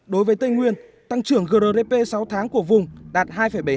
đối với tây nguyên tăng trưởng grdp sáu tháng của vùng đạt hai bảy mươi hai